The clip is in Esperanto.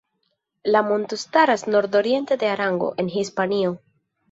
La monto staras nord-oriente de Aragono, en Hispanio.